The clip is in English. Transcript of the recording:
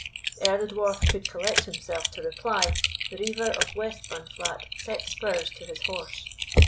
Ere the Dwarf could collect himself to reply, the Reiver of Westburnflat set spurs to his horse.